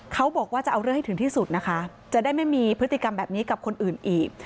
เขาบอกว่าจะเอาเรื่องให้ถึงที่สุดนะคะจะได้ไม่มีพฤติกรรมแบบนี้กับคนอื่นอีก